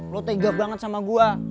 lo tega banget sama gue